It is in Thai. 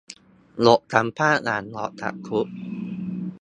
บทสัมภาษณ์หลังออกจากคุก